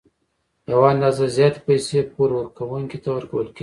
یوه اندازه زیاتې پیسې پور ورکوونکي ته ورکول کېږي